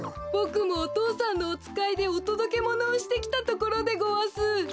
ボクもお父さんのおつかいでおとどけものをしてきたところでごわす。